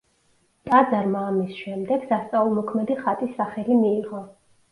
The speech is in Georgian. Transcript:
ტაძარმა ამის შემდეგ სასწაულმოქმედი ხატის სახელი მიიღო.